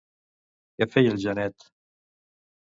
Què feia el Janet?